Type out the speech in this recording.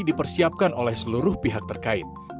dipersiapkan oleh seluruh pihak terkait